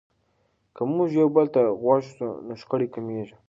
که موږ یو بل ته غوږ سو نو شخړې کمیږي.